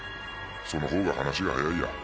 その方が話が早いや。